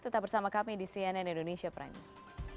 tetap bersama kami di cnn indonesia prime news